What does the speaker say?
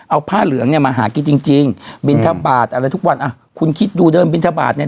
เอาผ้าเหลืองเนี่ยมาหากินจริงจริงบินทบาทอะไรทุกวันอ่ะคุณคิดดูเดินบินทบาทเนี่ย